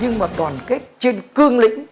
nhưng mà đoàn kết trên cương lĩnh